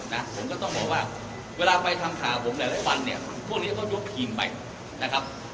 นะผมก็ต้องบอกว่าเวลาไปทำข่าวผมหลายวันเนี่ยพวกนี้ก็ยกทีมไปนะครับ